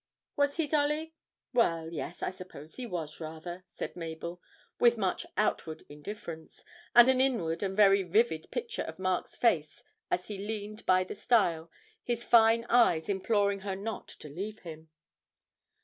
'Was he, Dolly? Well, yes, I suppose he was, rather,' said Mabel, with much outward indifference, and an inward and very vivid picture of Mark's face as he leaned by the stile, his fine eyes imploring her not to leave him.